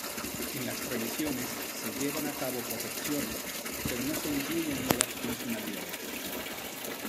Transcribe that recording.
En las revisiones se llevan a cabo correcciones, pero no se incluyen nuevas funcionalidades.